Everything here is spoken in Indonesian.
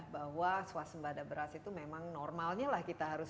bahwa swasembada beras itu memang normalnya lah kita harus